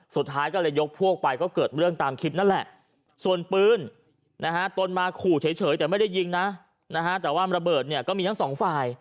ส่วนปืนต้นมาขู่เฉยแต่ไม่ได้ยิงนะแต่ว่าระเบิดก็มีทั้ง๒ฝ่าย